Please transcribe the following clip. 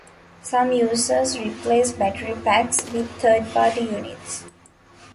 Some users replace battery packs with third-party units.